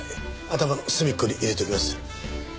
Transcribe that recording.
頭の隅っこに入れておきます。